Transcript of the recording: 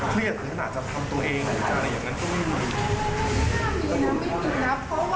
ไม่มีนะไม่มีนะเพราะว่าลูกชายจะเป็นคนที่หมากมีอะไรจากลูกแม่